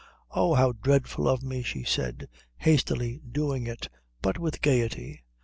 "Oh, how dreadful of me!" she said, hastily doing it, but with gaiety.